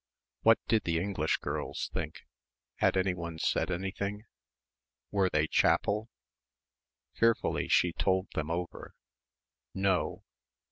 What did the English girls think? Had anyone said anything? Were they chapel? Fearfully, she told them over. No.